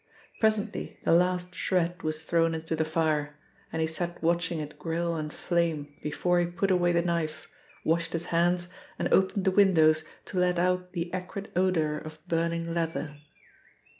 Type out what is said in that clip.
Presently the last shred was thrown into the fire and he sat watching it grill and flame before he put away the knife, washed his hands and opened the windows to let out the acrid odour of burning leather.